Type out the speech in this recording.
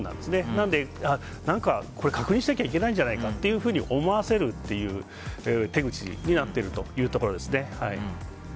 なので、何か確認しなきゃいけないんじゃないかと思わせるという手口になっているというところですね。